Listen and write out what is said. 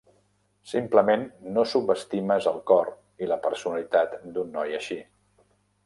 Simplement no subestimes el cor i la personalitat d'un noi així.